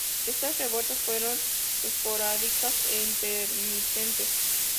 Estas revueltas fueron esporádicas e intermitentes.